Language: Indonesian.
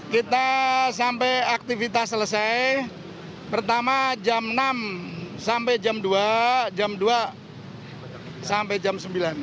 kita sampai aktivitas selesai pertama jam enam sampai jam dua jam dua sampai jam sembilan